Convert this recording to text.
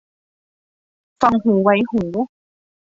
ฟังหูไว้หู